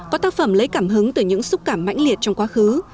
có tác phẩm lấy cảm hứng từ những xúc cảm mãnh liệt trong quá khứ